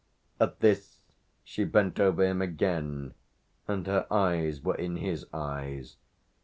At this she bent over him again, and her eyes were in his eyes.